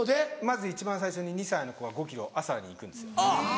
まず一番最初に２歳の子が５ｋｍ朝に行くんですよ。